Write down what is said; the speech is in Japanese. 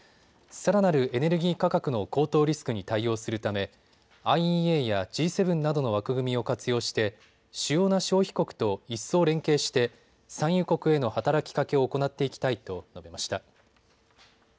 さらなるエネルギー価格の高騰リスクに対応するためＩＥＡやＧ７などの枠組みを活用して主要な消費国と一層連携して、産油国への働きかけを行っていきたいと述べました。